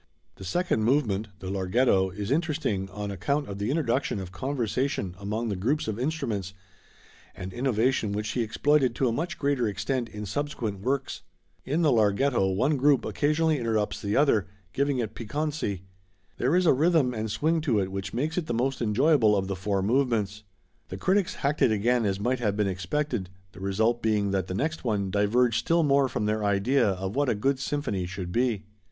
The second movement, the Larghetto, is interesting on account of the introduction of conversation among the groups of instruments, an innovation which he exploited to a much greater extent in subsequent works. In the Larghetto one group occasionally interrupts the other, giving it piquancy. There is a rhythm and swing to it which makes it the most enjoyable of the four movements. The critics hacked it again as might have been expected, the result being that the next one diverged still more from their idea of what a good symphony should be.